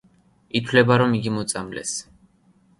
ითვლება, რომ იგი მოწამლეს.